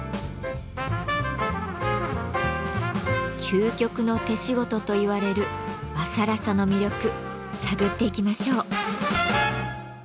「究極の手仕事」といわれる和更紗の魅力探っていきましょう。